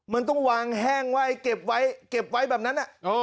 มันต้องวางแห้งไว้เก็บไว้เก็บไว้แบบนั้น